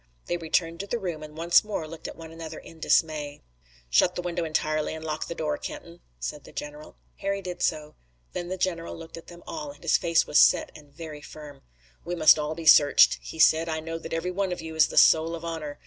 They returned to the room, and once more looked at one another in dismay. "Shut the window entirely and lock the door, Kenton," said the general. Harry did so. Then the general looked at them all, and his face was set and very firm. "We must all be searched," he said. "I know that every one of you is the soul of honor.